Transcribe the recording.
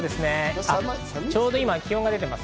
ちょうど今、気温が出ています。